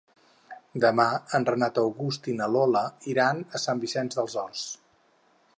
Demà en Renat August i na Lola iran a Sant Vicenç dels Horts.